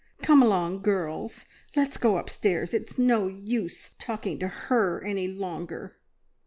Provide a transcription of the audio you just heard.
Come along, girls, let's go upstairs! It is no use talking to her any longer."